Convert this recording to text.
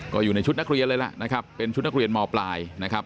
ก็อยู่ในชุดนักเรียนเลยล่ะนะครับเป็นชุดนักเรียนมปลายนะครับ